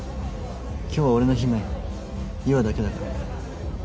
今日は俺の姫優愛だけだから。